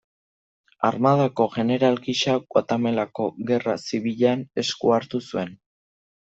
Armadako jeneral gisa, Guatemalako Gerra Zibilean esku hartu zuen.